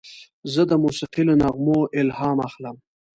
زه د موسیقۍ له نغمو الهام اخلم.